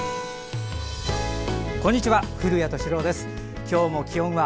こんにちは。